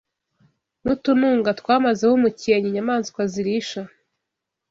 n’utununga twamezeho umukenke inyamaswa zirisha